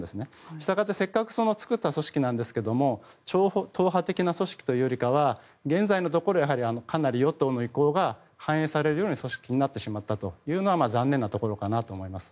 したがってせっかく作った機関なんですが超党派的な組織というよりかは現在のところはかなり与党の意向が反映されるような組織になってしまったのは残念なところかなと思います。